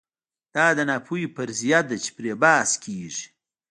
دا د ناپوهۍ فرضیه ده چې پرې بحث کېږي.